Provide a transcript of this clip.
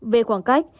về khoảng cách